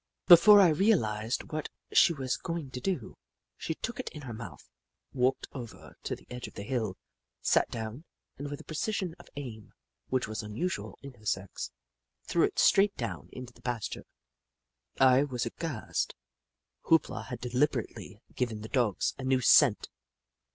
Before I realised what she was going to do, she took it in her mouth, walked over to the edge of the hill, sat down, and with a precision of aim which was unusual in her sex, threw it straight down into the pasture. I was aghast. Hoop La had deliberately given the Dogs a new scent